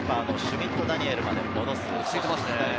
シュミット・ダニエルまで戻す。